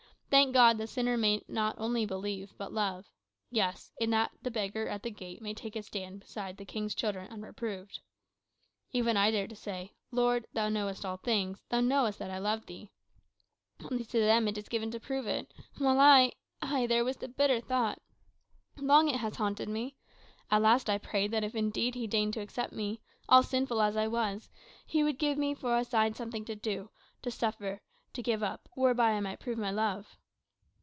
Thank God, the sinner may not only believe, but love. Yes; in that the beggar at the gate may take his stand beside the king's children unreproved. Even I dare to say, 'Lord, thou knowest all things; thou knowest that I love thee.' Only to them it is given to prove it; while I ay, there was the bitter thought. Long it haunted me. At last I prayed that if indeed he deigned to accept me, all sinful as I was, he would give me for a sign something to do, to suffer, or to give up, whereby I might prove my love."